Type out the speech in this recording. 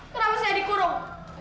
kenapa saya dikurung